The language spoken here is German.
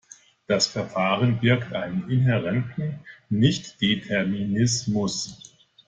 Das Verfahren birgt einen inhärenten Nichtdeterminismus.